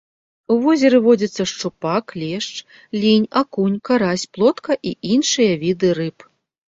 У возеры водзяцца шчупак, лешч, лінь, акунь, карась, плотка і іншыя віды рыб.